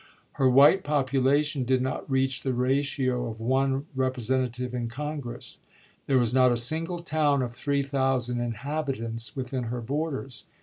Her white population did not reach the ratio of one Represent ative in Congress.1 There was not a single town of three thousand inhabitants within her borders.